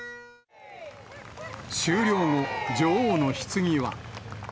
終了後、女王のひつぎは。